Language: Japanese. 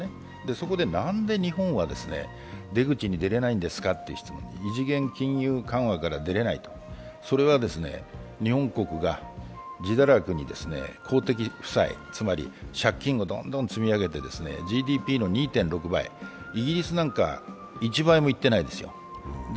そこで、なんで日本は出口に出れないんですかという質問、異次元金融緩和から出られない、それは日本国がじだらくに公的負債、つまり借金をどんどん積み上げてＧＤＰの２．６倍、イギリスなんか１倍もいっていないですよ。